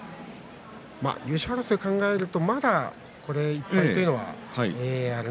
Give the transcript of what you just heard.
優勝争いを考えますとまだ、この１敗というのは。